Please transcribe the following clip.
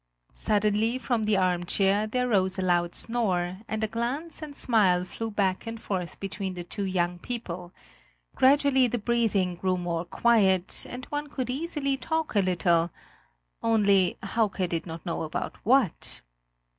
Suddenly from the armchair there rose a loud snore, and a glance and smile flew back and forth between the two young people; gradually the breathing grew more quiet, and one could easily talk a little only Hauke did not know about what.